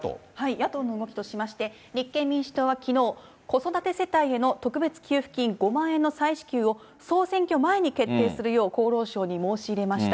野党の動きとしまして、立憲民主党はきのう、子育て世帯への特別給付金５万円の再支給を総選挙前に決定するよう厚労省に申し入れました。